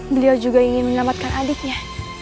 beliau juga ingin menyelamatkan adiknya